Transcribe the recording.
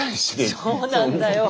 そうなんだよ。